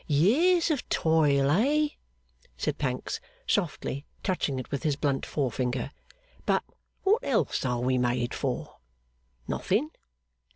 'Years of toil, eh?' said Pancks, softly, touching it with his blunt forefinger. 'But what else are we made for? Nothing.